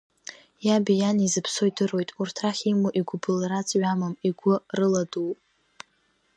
Иаби иани зыԥсоу идыруеит, урҭ рахь имоу игәыбылра ҵҩа амам, игәы рыладууп…